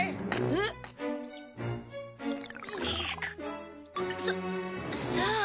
えっ？ささあ。